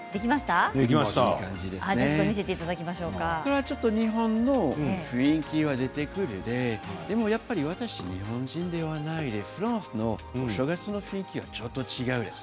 これで日本の雰囲気が出てくるで私は日本人ではないフランスのお正月の雰囲気はちょっと違うんです。